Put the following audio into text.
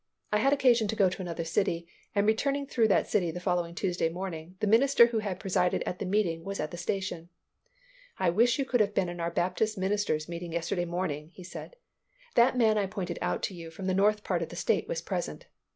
I had occasion to go to another city, and returning through that city the following Tuesday morning, the minister who had presided at the meeting was at the station. "I wish you could have been in our Baptist ministers' meeting yesterday morning," he said; "that man I pointed out to you from the north part of the state was present.